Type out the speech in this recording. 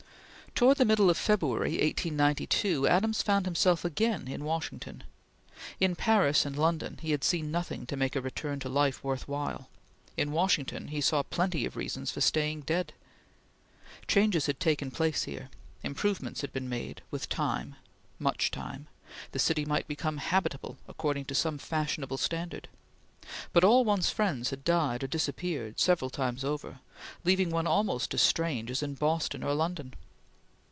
Towards the middle of February, 1892, Adams found himself again in Washington. In Paris and London he had seen nothing to make a return to life worth while; in Washington he saw plenty of reasons for staying dead. Changes had taken place there; improvements had been made; with time much time the city might become habitable according to some fashionable standard; but all one's friends had died or disappeared several times over, leaving one almost as strange as in Boston or London.